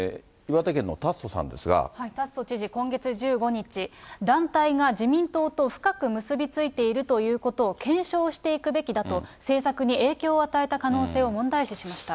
達増知事、今月１５日、団体が自民党と深く結び付いているということを検証していくべきだと、政策に影響を与えた可能性を問題視しました。